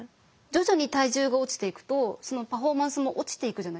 徐々に体重が落ちていくとそのパフォーマンスも落ちていくじゃないですか。